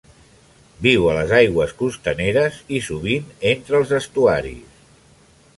Viu a les aigües costaneres i sovint entra als estuaris.